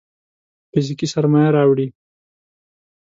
فزيکي سرمايه راوړي.